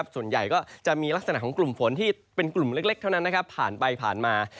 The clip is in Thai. ส่วนใหญ่ก็จะมีลักษณะของกลุ่มฝนที่เป็นกลุ่มเล็กเท่านั้นผ่านไปผ่านมา